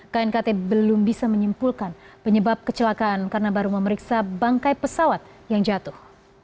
knkt belum bisa menyimpulkan penyebab kecelakaan karena baru memeriksa bangkai pesawat yang jatuh